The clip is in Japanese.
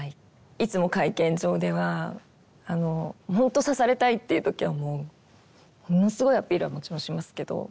いつも会見場ではほんと指されたいっていう時はもうものすごいアピールはもちろんしますけど。